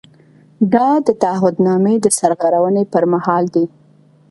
دا د تعهد نامې د سرغړونې پر مهال دی.